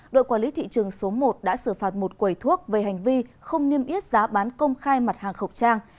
đội quản lý thị trường số một đã xử phạt một quầy thuốc về hành vi không niêm yết giá bán công khai mặt hàng khẩu trang